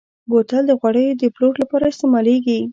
بوتل د غوړیو د پلور لپاره استعمالېږي.